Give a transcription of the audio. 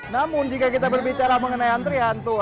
namun jika kita berbicara mengenai antrian tuh